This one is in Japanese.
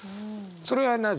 それはなぜ？